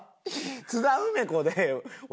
津田梅子で笑